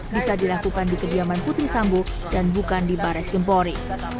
bisa dilakukan di kediaman putri sambo dan bukan di barres kempori